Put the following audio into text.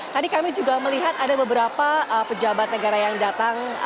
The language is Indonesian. tadi kami juga melihat ada beberapa pejabat negara yang datang